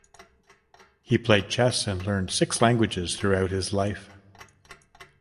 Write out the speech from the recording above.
He played chess and learned six languages throughout his life.